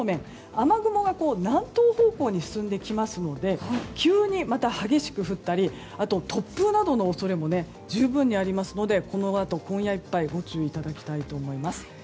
雨雲が南東方向に進んできますので急にまた激しく降ったり突風などの恐れも十分にありますのでこのあと、今夜いっぱいご注意いただきたいと思います。